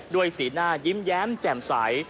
สีหน้ายิ้มแย้มแจ่มใส